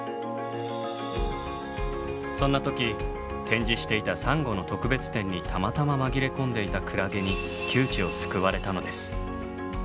そんな時展示していたサンゴの特別展にたまたま紛れ込んでいたクラゲに窮地を救われたのです。